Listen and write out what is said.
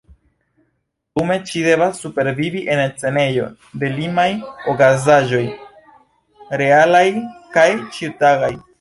Dume ŝi devas supervivi en scenejo de limaj okazaĵoj, realaj kaj ĉiutagaj.